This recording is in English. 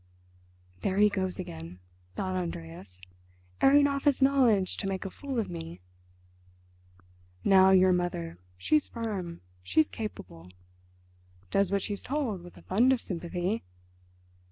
"There he goes again," thought Andreas, "airing off his knowledge to make a fool of me." "Now your mother—she's firm—she's capable. Does what she's told with a fund of sympathy.